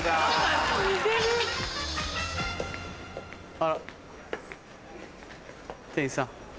あら店員さん。